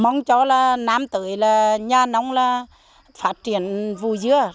mong cho năm tới nhà nông phát triển vụ dưa